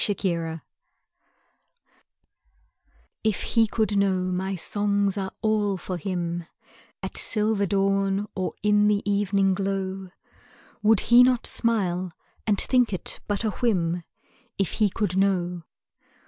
Roundel If he could know my songs are all for him, At silver dawn or in the evening glow, Would he not smile and think it but a whim, If he could know?